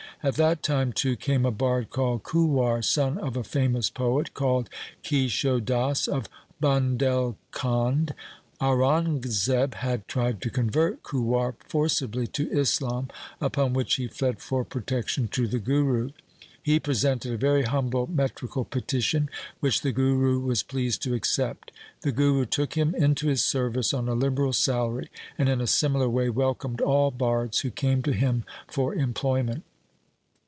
At that time too came a bard called Kuwar, son of a famous poet called Kesho Das of Bundhelkhand. Aurangzeb had tried to convert Kuwar forcibly to Islam, upon which he fled for protection to the Guru. He pre sented a very humble metrical petition, which the Guru was pleased to accept. The Guru took him into his service on a liberal salary, and in a similar way welcomed all bards who came to him for employment.